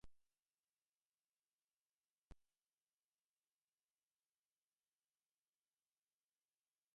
The lack of aerial reconnaissance was another factor contributing to the Allies' successful chase.